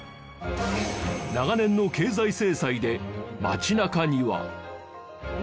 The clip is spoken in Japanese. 長年の経済制裁で町中には。